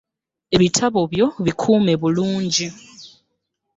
Ebitabo byo bikuume bulungi.